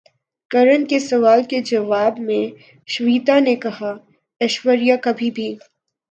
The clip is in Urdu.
کرن کے سوال کے جواب میں شویتا نے کہا ایشوریا کبھی بھی